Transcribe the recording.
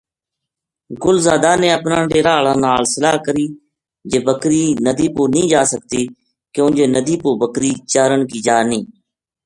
گل زادا نے اپنا ڈیرا ہالاں نال صلاح کری جے بکری ندی پو نیہہ جا سکتی کیوں جے ندی پو بکری چارن کی جا نیہہ